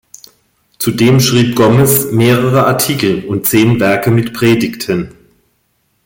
Zudem schrieb Gomes mehrere Artikel und zehn Werke mit Predigten.